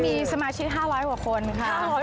มีสมาชิก๕๐๐กว่าคนค่ะ